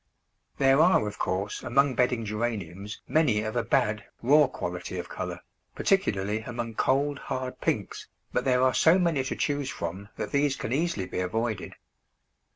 [Illustration: GERANIUMS IN NEAPOLITAN POTS.] There are, of course, among bedding Geraniums many of a bad, raw quality of colour, particularly among cold, hard pinks, but there are so many to choose from that these can easily be avoided.